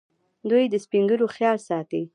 دوی د سپین ږیرو خیال ساتي.